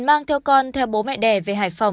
mang theo con theo bố mẹ đẻ về hải phòng